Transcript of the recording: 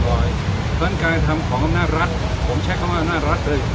เพราะฉะนั้นการทำของอำนาจรัฐผมใช้คำว่าอำนาจรัฐเลย